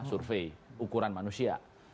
survei ukuran manusia